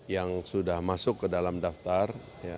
yang sudah masuk ke dalam daftar